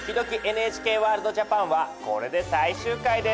ＮＨＫワールドＪＡＰＡＮ」はこれで最終回です。